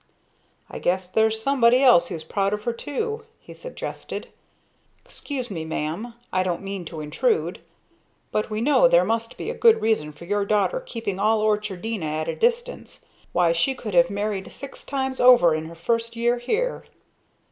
"I guess there's somebody else who's proud of her, too," he suggested. "Excuse me, ma'am, I don't mean to intrude, but we know there must be a good reason for your daughter keeping all Orchardina at a distance. Why, she could have married six times over in her first year here!"